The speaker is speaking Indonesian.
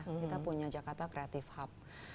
kita punya jakarta creative hub